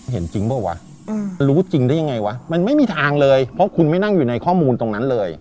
เห็นจริงเปล่าวะรู้จริงได้ยังไงวะมันไม่มีทางเลยเพราะคุณไม่นั่งอยู่ในข้อมูลตรงนั้นเลย